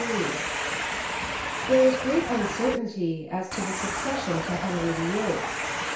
] There was great uncertainty as to the succession to Henry VIH.